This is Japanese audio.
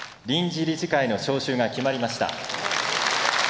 臨時理事会の招集が決まりました。